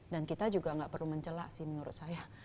dan kita juga gak perlu mencelak sih menurut saya